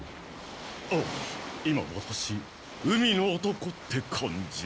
ああ今ワタシ海の男って感じ